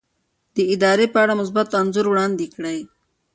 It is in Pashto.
د ادارې په اړه مثبت انځور وړاندې کړئ.